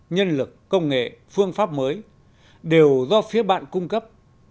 nhân lực công nghệ phương pháp mới đều do phía bạn cung cấp